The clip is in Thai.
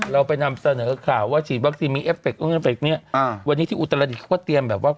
เราไปนำเสนอค่ะว่าฉีดวัคซีนมีเอฟเฟกต์อุตราดิษฐ์เขาก็เตรียมแบบว่า